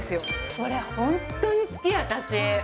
これ、本当に好き、私。